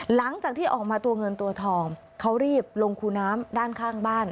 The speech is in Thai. หลังจากที่ออกมาตัวเงินตัวทองเขารีบลงคูน้ำด้านข้างบ้าน